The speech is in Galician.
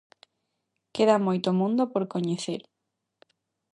Queda moito mundo por coñecer.